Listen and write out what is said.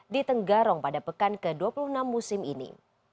di tenggarong pada pekan ke dua puluh enam musim ini